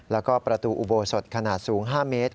แล้วก็ประตูอุโบสถขนาดสูง๕เมตร